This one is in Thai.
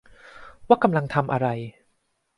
ว่ากำลังทำอะไร